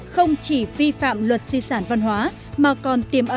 không chỉ vi phạm luật di sản văn hóa mà còn tiềm ẩn